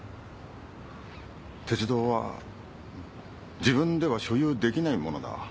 鉄道は自分では所有できないものだ。